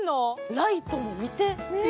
ライトも見て。